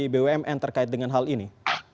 bumn terkait dengan hal ini